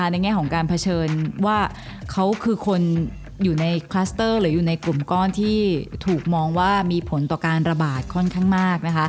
แง่ของการเผชิญว่าเขาคือคนอยู่ในคลัสเตอร์หรืออยู่ในกลุ่มก้อนที่ถูกมองว่ามีผลต่อการระบาดค่อนข้างมาก